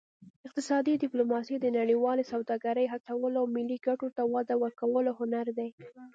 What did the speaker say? اقتصادي ډیپلوماسي د نړیوالې سوداګرۍ هڅولو او ملي ګټو ته وده ورکولو هنر دی